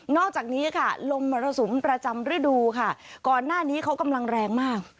อกจากนี้ค่ะลมมรสุมประจำฤดูค่ะก่อนหน้านี้เขากำลังแรงมาก